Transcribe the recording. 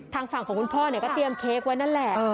ทางฝั่งของคุณพ่อเนี่ยก็เตรียมเค้กไว้นั่นแหละ